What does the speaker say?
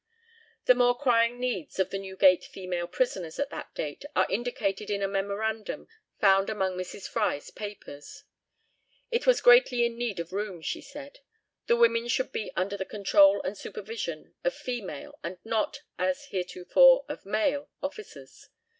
The more crying needs of the Newgate female prison at that date are indicated in a memorandum found among Mrs. Fry's papers. It was greatly in need of room, she said. The women should be under the control and supervision of female, and not, as heretofore, of male officers.